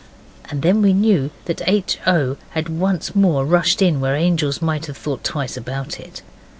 and then we knew that H. O. had once more rushed in where angels might have thought twice about it.